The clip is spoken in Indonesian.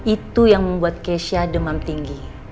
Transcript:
itu yang membuat keisha demam tinggi